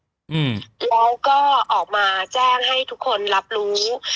เขาก็ออกมาแจ้งให้ทุกคนรับรู้